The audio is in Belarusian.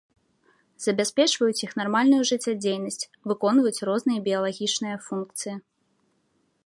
Забяспечваюць іх нармальную жыццядзейнасць, выконваюць розныя біялагічныя функцыі.